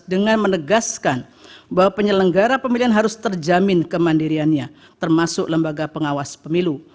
dengan menegaskan bahwa penyelenggara pemilihan harus terjamin kemandiriannya termasuk lembaga pengawas pemilu